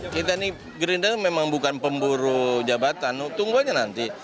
kita ini gerindra memang bukan pemburu jabatan tunggu aja nanti